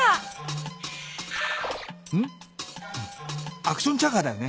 アクションチャガーだよね。